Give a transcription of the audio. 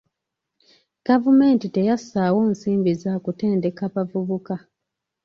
Gavumenti teyassaawo nsimbi za kutendeka abavubuka.